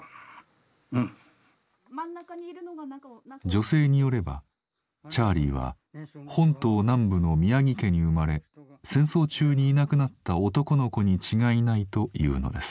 女性によればチャーリーは本島南部の宮城家に生まれ戦争中にいなくなった男の子に違いないと言うのです。